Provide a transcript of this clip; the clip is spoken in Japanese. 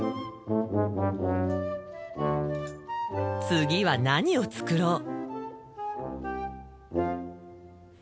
次は何を作ろう？